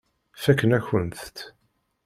Fakken-akent-t.